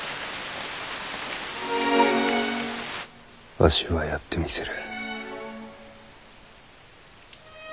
わしはやってみせる。